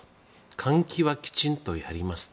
換気はきちんとしますと。